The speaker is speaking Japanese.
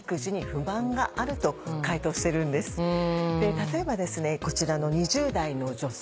例えばですねこちらの２０代の女性。